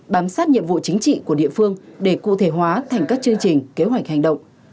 bám sát nhiệm vụ chính trị của địa phương để cụ thể hóa thành các chương trình kế hoạch hành động